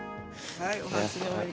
はい。